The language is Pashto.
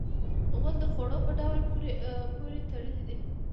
غول د خوړو په ډول پورې تړلی دی.